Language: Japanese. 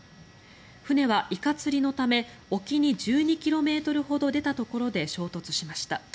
船はイカ釣りのため沖に１２ｋｍほど出たところで衝突しました。